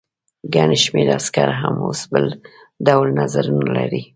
ګڼ شمېر عسکر هم اوس بل ډول نظرونه لري.